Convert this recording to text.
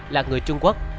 là người trung quốc